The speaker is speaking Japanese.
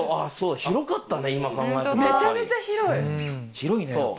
広いね。